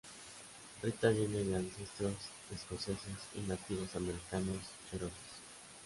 Rita viene de ancestros escoceses y nativos americanos cheroquis.